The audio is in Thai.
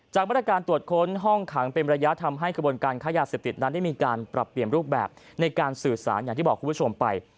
มาตรการตรวจค้นห้องขังเป็นระยะทำให้กระบวนการค้ายาเสพติดนั้นได้มีการปรับเปลี่ยนรูปแบบในการสื่อสารอย่างที่บอกคุณผู้ชมไป